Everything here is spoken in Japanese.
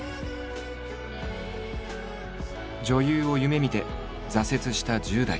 女優を夢みて挫折した１０代。